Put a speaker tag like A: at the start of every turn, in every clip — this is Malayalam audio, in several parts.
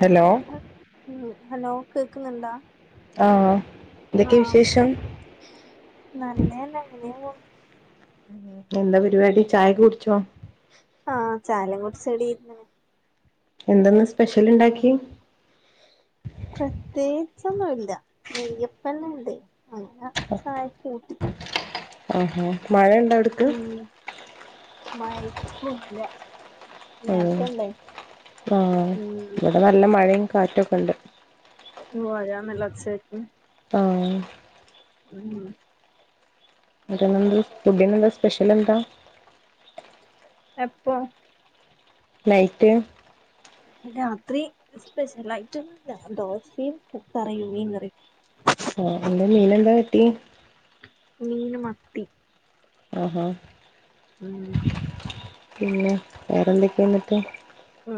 A: ഹലോ
B: ഹലോ കേക്കുന്നുണ്ടോ
A: ആഹ് എന്തൊക്കെ വിശേഷം
B: നല്ലെന്നെ അങ്ങനെ പോൺ
A: എന്താ പരിപാടി ചായക്കെ കുടിച്ചോ
B: ആഹ് ചായേം കുട്ച്ചടീര്കിണ്
A: എന്തന്ന് സ്പെഷ്യലിണ്ടാക്കി
B: പ്രത്യേച്ചൊന്നുല്ല നെയ്യപ്പന്നെണ്ട് അങ്ങനയ ചായക്കൂട്ടി
A: ആഹാ മഴണ്ടാ അട്ക്ക്
B: [unintelligible]
A: ഏഹ്
B: നേരത്തെ ഇണ്ടായി
A: ആഹ്
B: ഉം
A: ഇവിടെ നല്ല മഴെം കാറ്റൊക്കെണ്ട്
B: മഴ നല്ല ഒച്ചേക്ക്ണ്
A: ആഹ്
B: ഉം
A: ഫുഡ്ഡിനെന്താ സ്പെഷ്യലെന്താ
B: എപ്പൊം
A: നൈറ്റ്
B: രാത്രി സ്പെഷ്യലായ്ട്ടൊന്നുല്ല ദോശിം കറിയും മീങ്കറിയും
A: ആഹ് ന്നിട്ട് മീനെന്താ കാട്ടി
B: മീന് മത്തി.
A: ആഹാ
B: ഉം
A: പിന്നെ വേറെന്തൊക്കെ എന്നിട്ട്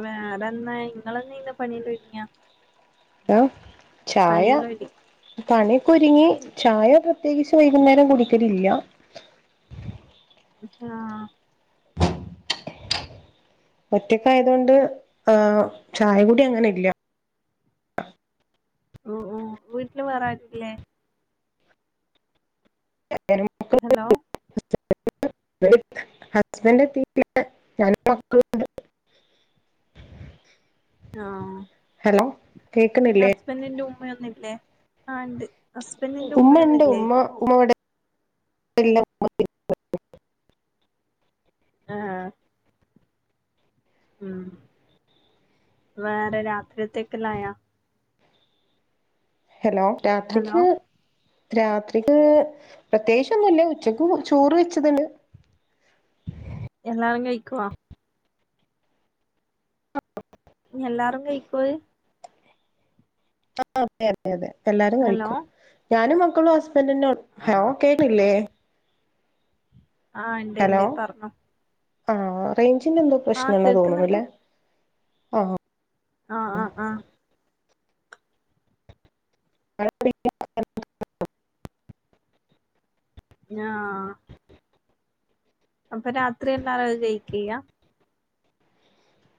B: വേറെന്താ ഇങ്ങള് ഇന്ന് പണിന് ഒരുങ്ങ്യ.
A: [unintelligible] ചായ
B: പണിയെല്ലാം ഒതി
A: പണി ഒക്കൊരുങ്ങി ചായ പ്രത്യകിച്ച് വൈകുന്നേരം കുടിക്കലില്ല.
B: ആഹ്
A: ഒറ്റക്ക് ആയതൊണ്ട് ആഹ് ചായ കുടി അങ്ങനെ ഇല്ല.
B: ഉം ഉം വീട്ടില് വേറാരുല്ലേ.
A: [unintelligible]
B: ഹലോ
A: [unintelligible] [unintelligible] ഹസ്ബൻ്റ് എത്തീട്ടില്ല ഞാനും മക്കളും ഉണ്ട് [inaudible]
B: ആഹ്
A: ഹലോ കേക്ക്ന്നില്ലേ.
B: ഹസ്ബൻ്റ്ന്റെ ഉമ്മയൊന്നുംല്ലേ ആ ഇണ്ട് ഹസ്ബൻ്റ്ന്റെ
A: ഉമ്മ ഉണ്ട്
B: ഉമ്മയൊന്നുല്ലേ
A: ഉമ്മ ഉമ്മ ഇവിടെ ഇല്ല.
B: ആഹാ ഉം വേറെ രാത്രിയേത്തേക്ള്ളായ.
A: ഹലോ
B: ഹലോ
A: രാത്രിക്ക്. രാത്രിക്ക് പ്രത്യേകിച്ച് ഒന്നുല്ല്യ. ഉച്ചക്ക് ചോറ് വെച്ചത്ണ്ട്.
B: എല്ലാരും കഴിക്കോ.
A: [unintelligible]
B: എല്ലാറും കഴിക്കോ
A: ആഹ് അതെ അതെ അതെ എല്ലാരും
B: ഹലോ
A: കഴിക്കും. ഞാനും മക്കളും ഹസ്ബൻ്റെന്നെ ഹലോ
B: ആഹ്
A: കേ ല്ലേ
B: ആഹ് ഇണ്ട് ണ്ട് പറഞ്ഞോ.
A: ആഹ് റേഞ്ചിന്റെ എന്തോ
B: ആഹ്
A: പ്രശ്നാണ്
B: കേക്കുന്നുണ്ട്
A: തോന്നുണുല്ലേ ആഹ്
B: ആഹ് ആഹ് ആഹ്
A: [unintelligible]
B: ഞാ അപ്പൊ രാത്രി എല്ലാരും അത് കഴിക്ക ചെയ്യ.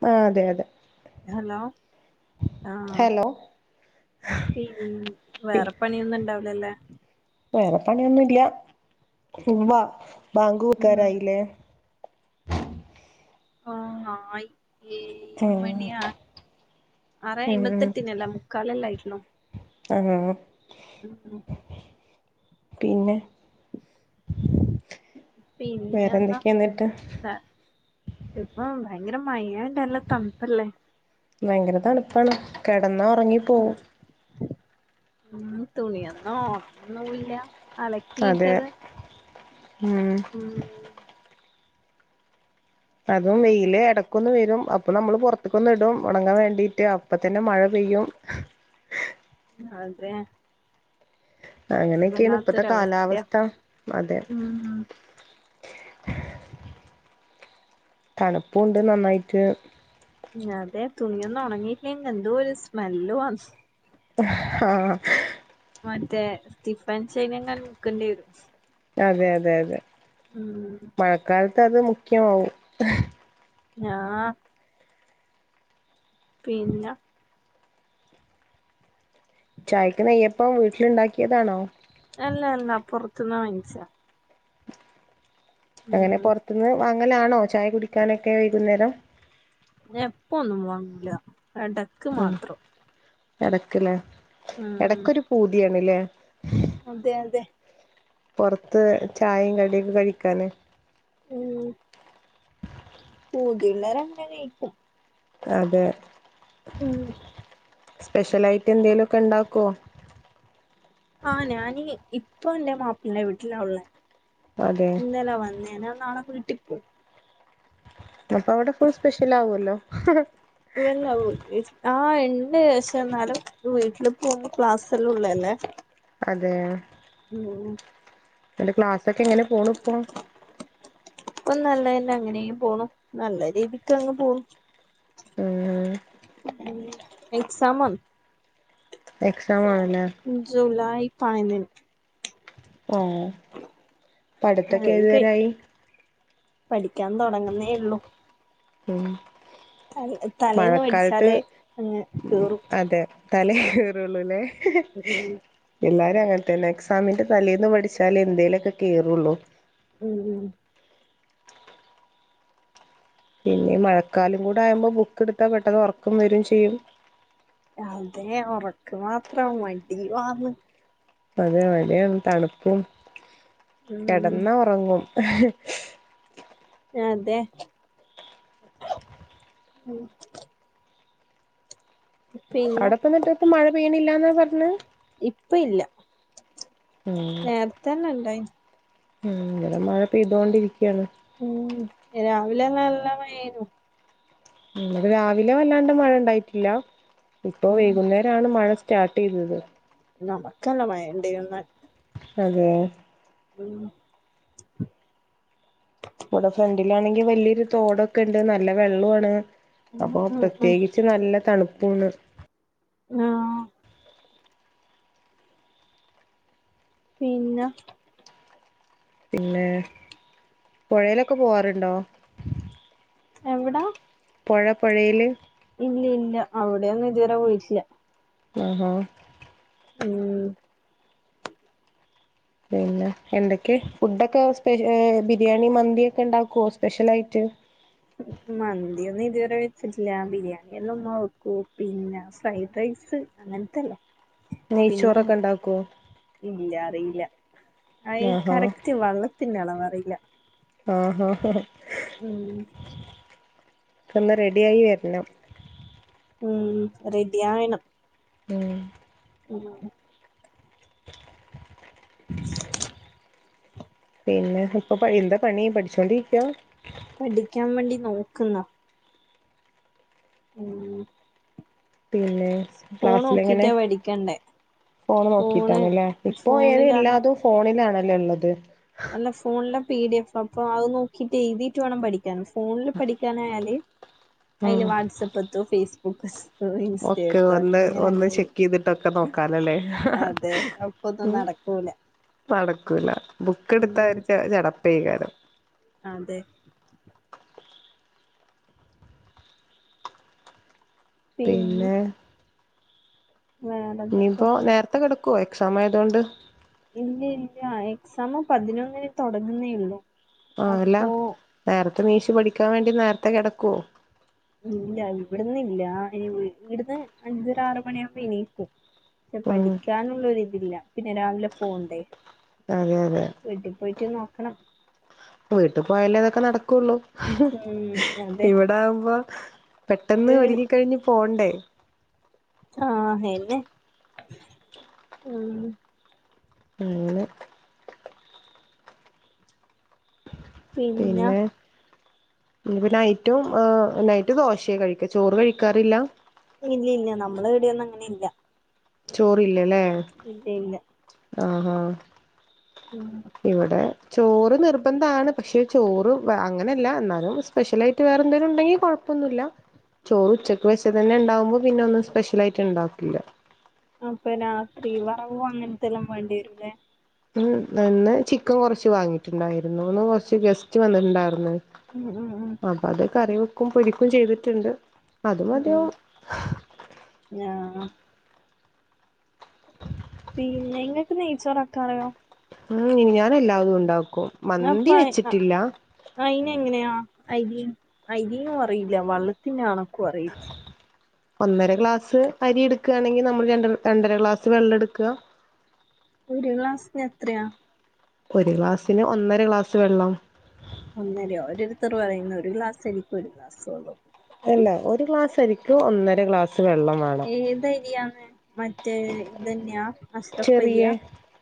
A: ആഹ് അതെ അതെ.
B: ഹലോ ആഹ്
A: ഹലോ
B: പിൻ വേറെ പണിയൊന്നും ഇണ്ടാവൂലാല്ലേ.
A: വേറെ പണിയൊന്നും ല്ല്യ ഇനി വാ ബാങ്ക്
B: ഉം
A: കൊടുക്കാറായില്ലേ.
B: ആ ആയി ഏഴ്
A: ഉം
B: മണിയാ ആറേ
A: ഉം
B: അയ്ബത്തിയെട്ടിനല്ലെ മുക്കാലല്ലേ ആയിട്ടുള്ളു.
A: ആഹ് പിന്നെ
B: പിന്നെന്നാ
A: വേറെന്തൊക്കെയാന്നിട്ട്.
B: ഇപ്പോം ഭയങ്കര മയോണ്ടല്ല തണുപ്പല്ലേ.
A: ഭയങ്കര തണുപ്പാണ് കിടന്നാ ഉറങ്ങി പോവും.
B: ഉം തുണിയൊന്നും ഒണങ്ങുന്നൂല്ലാ
A: അതെ ഉം അതും വെയില് ഇടക്കൊന്ന് വരും അപ്പൊ നമ്മള് പുറത്തക്കൊന്ന് ഇടും ഒണങ്ങാൻ വേണ്ടിട്ട് ഇപ്പൊ തന്നെ മഴ പെയ്യും
B: അതെ
A: അങ്ങനെയൊക്കെയാണ് ഇപ്പത്തെ
B: വല്ലാത്തൊരവസ്ഥയാ
A: കാലാവസ്ഥ അതെ.
B: ഉം
A: തണുപ്പുണ്ട് നന്നായിട്ട്.
B: അതെ തുണിയൊന്നും ഉണങ്ങിയിട്ടി- ലെങ്കിൽ എന്തോ ഒരു സ്മെല്ലു വ
A: ഹാ
B: മറ്റേ സ്റ്റിഫ് ആന്റ് ഷൈൻ എങ്ങാനും മുക്കേണ്ടി വരും.
A: അതെ അതെ അതെ.
B: ഉം
A: മഴക്കാലത്ത് അത് മുഖ്യമാവും.
B: ഞാ പിന്നെ
A: ചായക്ക് നെയ്യപ്പം വീട്ടിലുണ്ടാക്കിയതാണോ?
B: അല്ല അല്ല പുറത്തുന്ന് വാങ്ങിച്ചാ ഉം
A: അങ്ങനെ
B: ഉം
A: പുറത്തുനിന്ന് വാങ്ങലാണോ ചായ കുടിക്കാനൊക്കെ വൈകുന്നേരം.
B: ഞ എപ്പ ഒന്നും വാങ്ങൂല്ല വേണ്ട.
A: ആ എടക്ക്ല്ലേ,
B: ഉം ഉം
A: എടക്കൊരു പൂതിയാണല്ലേ.
B: അതെ അതെ.
A: പുറത്ത് ചായയും കടിയൊക്കെ കഴിക്കാന്
B: ഉം പൂതിയുള്ളവര് അങ്ങനെ ആയിരിക്കും.
A: അതെ.
B: ഉം.
A: സ്പശാലായിട്ട് എന്തേലോക്കെണ്ടകോ?
B: ആ ഞാനി ഇപ്പൊ എന്റെ മാപ്പിളന്റെ വീട്ടിലാ ഉള്ളത്.
A: അതെ
B: ഇന്നല്ലാ വന്നേനാ നാളെ വീട്ടിപ്പോം
A: അപ്പൊ അവിടെ ഫുൾ സ്പെഷ്യൽ ആവുമല്ലോ.
B: ഇവനുണ്ടാവും ആ എണ്ട് പക്ഷേ എന്നാലും. വീട്ടില് പോകുമ്പ ക്ലാസ്സ് എല്ലാം ഉള്ളതല്ലേ.
A: അതെ.
B: ഉം
A: ന്നട്ട് ക്ലാസ്സൊക്കെ എങ്ങനെ പോണ് ഇപ്പോ
B: ഇപ്പൊ നല്ലതന്നെ അങ്ങനെയും പോണം. നല്ല രീതിക്ക് അങ്ങ് പോവും.
A: ഉം
B: ഉം എക്സാം.
A: എക്സാം ആണല്ലേ.
B: ജൂലായ് പതിനഞ്ച്.
A: ആ
B: അതൊക്കെ പഠിക്കാൻ തുടങ്ങുന്നേ ഉള്ളു.
A: ഉ
B: തലേന്ന്
A: മഴക്കാലത്ത്
B: മേടിച്ചാലേ അങ്ങ് കേറും
A: അതെ. തല കയറുള്ളല്ലേ.
B: [unintelligible]
A: എല്ലാരും അങ്ങനെത്തന്നെ. എക്സാമിന്റെ തലേന്ന് പഠിച്ചാലെ എന്തേലുമൊക്കെ കേയറുള്ളൂ.
B: ഉം ഉം
A: പിന്നെ മഴക്കാലം കൂടെ ആകുമ്പോൾ ബുക്ക് എടുത്താൽ പെട്ടെന്ന് ഉറക്കം വരും ചെയ്യും.
B: അതെ ഉറക്ക് മാത്രം മണ്ടിമാന്ന്.
A: അതെ മഴയാണ് തണുപ്പും.
B: ഉം
A: കിടന്നാ ഉറങ്ങും.
B: അതെ. പിന്നെ
A: അവിടെപ്പന്നിട്ട് ഇപ്പ മഴ പെയണില്ലന്നാ പറഞ്ഞെ.
B: ഇപ്പ ഇല്ല
A: ഉം
B: നേരത്തന്നെ ഇണ്ടായി.
A: ഉം ഇവിടെ മഴ പെയ്തോണ്ടിരിക്കാണ്
B: ഉം രാവിലെ നല്ല മഴയായിരുന്നു
A: ഉം രാവിലെ വല്ലാണ്ട് മഴ ഇണ്ടായിട്ടില്ല ഇപ്പോ
B: ഉം
A: വൈകുന്നേരണ് മഴ സ്റ്റാർട്യ്തത്
B: [unintelligible]
A: അതെ
B: ഉം
A: ഇവിടെ ഫ്രഡിലാണെങ്കിൽ വലിയൊരു തോടൊക്കെ ഇണ്ട് നല്ല വെല്ലോണ്
B: ഉം
A: അപ്പോ
B: ഉം ഉം
A: പ്രത്യേകിച്ച് ച്ച് നല്ല തണുപ്പുണ്ട്
B: ആ പിന്ന
A: പിന്നെ പോഴേലൊക്കെ പോവാറുണ്ടോ?
B: എവിടാ
A: പോഴ പോഴെല്
B: ഇല്ല ഇല്ല അവിടോന്നും ഇതുവരെ [unintelligible]
A: ആ-ഹ്
B: ഉമ്
A: പിന്നെ എന്തൊക്കെ ഫുഡൊക്കെ സ്പെ ഏഹ് ബിരിയാണി മന്തി ഒക്കെ ഉണ്ടാക്കോ സ്പെഷ്യലായിട്ട്
B: മന്തി ഒന്നും ഇതുവരെ വെച്ചട്ടില്ല ബിരിയാണി എല്ലാം ഉമ്മവെക്കും പിന്നെ ഫ്രൈഡ് റൈസ് അങ്ങനതല്ല
A: നെയ്ച്ചോറൊക്കെ ഇണ്ടാക്കോ
B: ഇല്ല അറിയില്ല അയി
A: ആഹാ
B: കറക്റ്റ് വെള്ളത്തിന്റെ അളവറിയില്ല
A: ആ -ഹാ -ഹാ-
B: ഉമ്
A: ഒന്ന് റെഡിയായി വരണം
B: ഉമ് റെഡിയയാണം
A: ഉം
B: ഉം
A: [unintelligible] പിന്നെ ഇപ്പൊ എന്താ പണി പഠിച്ചോണ്ടിരികാ
B: പഠിക്കാൻ വേണ്ടി നോക്ക്ന്ന് ഉം
A: പിന്നെ
B: ഫോൺ
A: ക്ലാസ്സിലെങ്ങനെ
B: നോക്കിട്ടാ പഠിക്കണ്ടേ
A: ഫോണ് നോക്കിട്ടണല്ലേ ഇപ്പ
B: ഫോണിലാണ്
A: ഏതെല്ലതു ഫോണിലാണല്ലേ ഇള്ളത്
B: അല്ല ഫോണിലെ പി ഡി എഫ് അപ്പൊ അത് നോക്കിട്ട് എഴുതിട്ട് വേണം പഠി ഫോണില് പഠിക്കാനായാല് അയ്ല്
A: ഉം
B: വാട്സആപ്പ്ത്തോ ഫേസ്ബുക്ക്
A: ഒക്കെ
B: ഇൻസ്റ്റേറ്
A: ഒന്ന് ഒന്ന്
B: അങ്ങനെങ്ങ
A: ചെക്ക് ചെയ്തിട്ടൊക്കെ നോക്കാലല്ലേ
B: അതെ അപ്പൊന്ന
A: ഉം
B: നടക്ക പോവൂല
A: നടക്കൂല ബുക്ക് എടുത്ത ഒരു ചടപ്പെങ്കാരം
B: അതേ പിന്നെ
A: പിന്നേ
B: വേറെന്താപ്പ
A: ഇനിപ്പോ നേരത്തെ കെടക്കോ എക്സാം ആയതോണ്ട്
B: ഇല്ല ഇല്ല എക്സാം പതിനൊന്നിന് തുടങ്ങേയൊള്ളു
A: ആ ആല്ല നേർതെ നീച്ച് പഠിക്കാൻ വേണ്ടി നേരത്തേ കെടക്കോ
B: ഇല്ല ഇവിടന്ന് ഇല്ല ഇനി വിടുന്ന് അഞ്ചര ആറ് മണിയാകുമ്പോ എനീക്കും
A: ഉം
B: പഠിക്കാനുള്ളൊരുതില്ല പിന്നെ രാവിലെ പോണ്ടേ
A: അതെ അതെ
B: വീട്ടി പോയിട്ട് നോക്കണം.
A: വീട്ടിൽ പോയാലേ ഇതൊക്കെ നടക്കുള്ളൂ
B: ഉം അതെ
A: ഇവിടെ ആകുമ്പ പെട്ടെന്ന്
B: വീട്
A: ഒരുങ്ങി കഴിഞ്ഞ് പോണ്ടേ
B: ആഹ് എന്നെ ഉം
A: [inaudible] പിന്നെ ഇഞ്ഞ്‌ പ്പൊ നൈറ്റും നൈറ്റ് ദോശയാ കഴിക്ക ചോറ് കഴിക്കാറില്ല
B: ഇല്ല ഇല്ല നമ്മള് ഇവിടെൊന്നും അങ്ങനെ ഇല്ല
A: ചോറില്ലല്ലേ
B: ഇല്ല ഇല്ല
A: ആഹ് ആഹ്
B: ഉം
A: ഇവിടെ ചോറ് നിർബന്ധമാണ് പക്ഷെ ചോറ് അങ്ങനെയല്ല എന്നാലും സ്പെഷ്യലായിട്ട് വേറെ എന്തെങ്കിലും ഉണ്ടെങ്കിൽ കോഴ ഒന്നുമില്ല ചോറ് ഉച്ചക്ക് വെച്ചൽ തന്നെ ഉണ്ടാവുമ്പോ പിന്നെ ഒന്നും സ്പെഷ്യൽ ആയിട്ട് ഉണ്ടാക്കില്ല
B: അപ്പൊ രാത്രി വറവും അങ്ങനത്തെ എല്ലാം വേണ്ടി വരൂല്ലേ
A: ഉ അന്ന് ചിക്കൻ കൊറച്ച് വാങ്ങിട്ടുണ്ടായിരുന്നു ഒന്ന് കൊറച്ച് ഗസ്റ്റ് വന്നിട്ടുണ്ടായിന്ന്
B: ഉമ് ഉമ് ഉമ്
A: അപ്പൊ അത് കറിവെക്കും പൊരിക്കും ചെയ്തിട്ടുണ്ട് അത്
B: ഉം
A: മതിയാവും
B: ഞാനോ പിന്നെ നിങ്ങൾക്ക് നെയ്ച്ചോറക്കാറിയോ?
A: ഉ ഇനി ഞാൻ എല്ലാതും ഉണ്ടാക്കും
B: അപ്പ
A: മന്തി വെച്ചിട്ടില്ല
B: അയിന് എങ്ങനെയാ അരി അരിന്ന്‌ പറയില്ല വള് പിന്നെ ആണക്കും അറിയില്ല
A: ഒന്നര ഗ്ലാസ് അരി എടുക്കുകയാണെങ്കിൽ നമ്മൾ ര രണ്ടര ഗ്ലാസ് വെള്ളം എടുക്കുക
B: ഒരു ഗ്ലാസ്നെത്രയാ?
A: ഒരു ഗ്ലാസ്സിന് ഒന്നര ഗ്ലാസ് വെള്ളം
B: ഒന്നരയോ ഒരോരുത്തർ പറയുന്ന ഒരു ഗ്ലാസ്സ് എരിക്കു ഒരു ഗ്ലാസ്സ് വെള്ളം
A: അല്ല ഒരു ഗ്ലാസരിക്കു ഒന്നര ഗ്ലാസ് വെള്ളം വേണം
B: ഏതരിയാണ് മറ്റേ ഇതന്നെയാ
A: ചെറിയ
B: അഷ്റഫരിയാ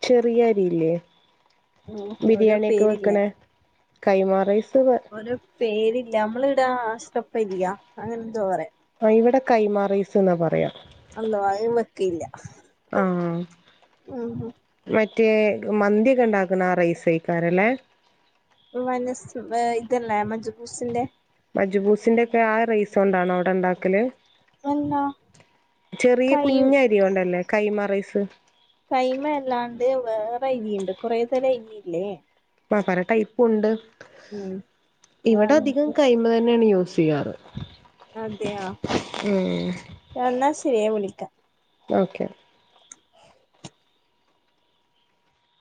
A: ചെറിയ അരിയില്ലേ
B: ഓഹ് ഓരോ
A: ബിരിയാണി ഒക്കെ
B: പേരില്ലേ
A: വെക്കണേ കൈമാറൈസ്
B: ഒരൂ പേരില്ല നമ്മള് ഇട ആഷ്റഫരിയാ അങ്ങനെ എന്തോ പറയും
A: ആ ഇവിടെ കൈമാറൈസ് എന്നാ പറയാ
B: അല്ലാ അയ വെക്കില്ല [unintelligible]
A: ആഹ് മറ്റേ മന്തിയൊക്കെ ഇണ്ടാക്ക്ണ ആ റൈസെയ്ക്കാരല്ലേ.
B: വനസ്സ് ഇതല്ലേ മജു ബൂസിന്റെ
A: മജ്ബൂസിന്റെക്കെ ആ റൈസോണ്ടാണോ അവിടെ ഇണ്ടാക്കല്.
B: അല്ല
A: ചെറിയ കുഞ്ഞ
B: കൈയും
A: അരിയൊണ്ടല്ലേ കൈമാറൈസ്
B: കൈമ അല്ലാണ്ട് വേറെ ഇരിയുണ്ട് കുറെേ തരം ഇരിയില്ലേ
A: പല ടൈപ്പുണ്ട്
B: ഉം ആ
A: ഇവിടെ അധികം കൈ തന്നെയാണ് യൂസ് ചെയ്യാറ്.
B: അതെയാ
A: ഉം
B: എന്നാ ശെരി ഞാൻ വിളിക്ക
A: ഓക്കെ